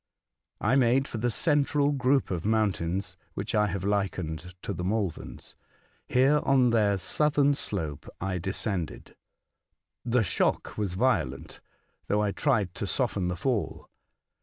I made for the central group of mountains (which I have likened to the Malverns). Here on their southern slope I descended. The shock was violent, though I tried to soften the fall.